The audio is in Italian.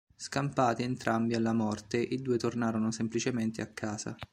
Scampati entrambi alla morte, i due tornarono semplicemente a casa.